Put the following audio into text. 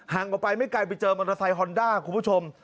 ออกไปไม่ไกลไปเจอมอเตอร์ไซค์ฮอนด้าคุณผู้ชม